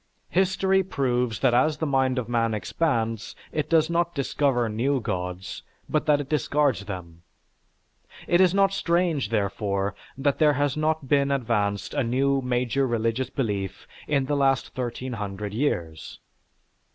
History proves that as the mind of man expands, it does not discover new gods, but that it discards them. It is not strange, therefore, that there has not been advanced a new major religious belief in the last 1300 years.